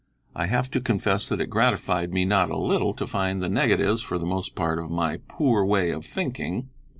I have to confess that it gratified me not a little to find the negatives for the most part of my poor way of thinking.